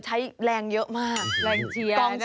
ใช้แรงเยอะมาก